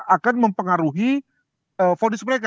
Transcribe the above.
akan mempengaruhi fonis mereka